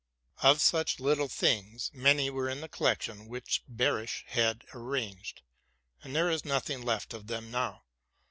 Of such little things many were in the collection which Behrisch had arranged, but there is nothing left of them now.